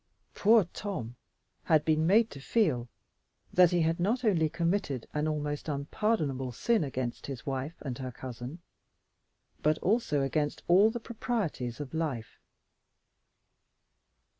Poor Tom had been made to feel that he had not only committed an almost unpardonable sin against his wife and her cousin, but also against all the proprieties of life.